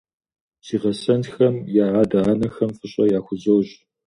Си гъэсэнхэм я адэ-анэхэм фӀыщӀэ яхузощӀ.